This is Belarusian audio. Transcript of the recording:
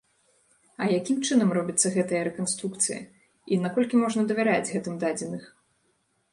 А якім чынам робіцца гэтая рэканструкцыя і наколькі можна давяраць гэтым дадзеных?